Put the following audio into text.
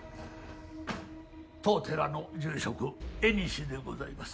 当寺の住職江西でございます。